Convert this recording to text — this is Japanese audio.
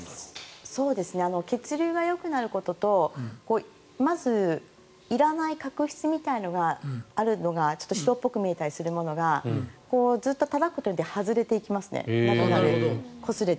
血流がよくなることとまず、いらない角質みたいなのがあるのがちょっと白っぽく見えるのがずっとたたくことで外れていきます、こすれて。